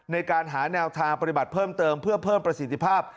ในการหาแนวทางปฏิบัติเพิ่มเติมเพื่อเพิ่มประสิทธิภาพ